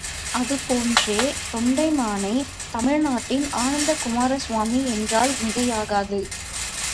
அதுபோன்றே தொண்டைமானை தமிழ்நாட்டின் ஆனந்தகுமாரசுவாமி என்றால் மிகையாகாது.